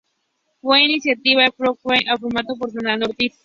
Fue iniciada en el folklore afrocubano por Fernando Ortiz.